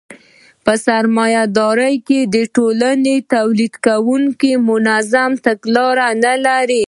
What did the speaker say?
په سرمایه داري ټولنو کې تولیدونکي منظمه تګلاره نلري